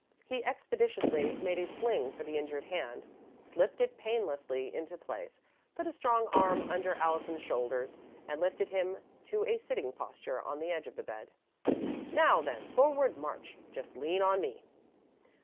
He expeditiously made a sling for the injured hand, slipped it painlessly into place, put a strong arm under Allison's shoulders, and lifted him to a sitting posture on the edge of the bed. "Now then, forward, march! Just lean on me."